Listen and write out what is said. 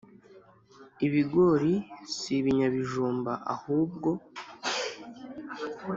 ibigori si ibinyabijumba ahubwo